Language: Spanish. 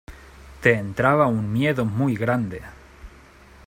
te entraba un miedo muy grande.